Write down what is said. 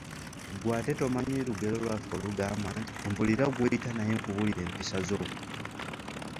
Ggwe ate tomanyi lugero lwaffe olugamba nti , "Mbuulira gw'oyita naye nkubuulire empisa zo?